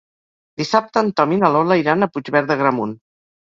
Dissabte en Tom i na Lola iran a Puigverd d'Agramunt.